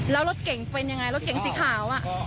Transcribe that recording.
แล้วรถเก่งเป็นยังไงรถเก่งสีขาว